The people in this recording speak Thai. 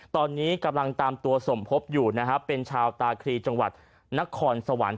ตอนนี้กำลังตามตัวสมภพอยู่นะฮะเป็นชาวตาคลีจังหวัดนครสวรรค์